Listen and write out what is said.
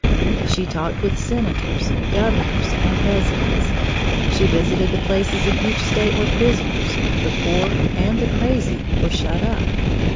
She talked with senators, governors, and presidents. She visited the places in each State where prisoners, the poor, and the crazy were shut up.